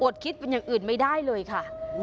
คิดเป็นอย่างอื่นไม่ได้เลยค่ะ